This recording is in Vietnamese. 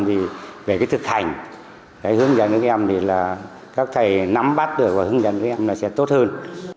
thì về thực hành hướng dẫn các em các thầy nắm bắt được và hướng dẫn các em sẽ tốt hơn